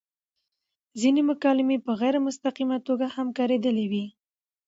ځينې مکالمې په غېر مستقيمه توګه هم کاريدلي وې